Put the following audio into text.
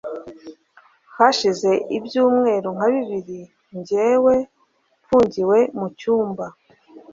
hashize ibyumweru nka bibiri njyewe mfungiwe mu cyumba